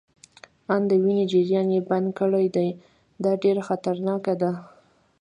آن د وینې جریان يې بند کړی دی، دا ډیره خطرناکه ده.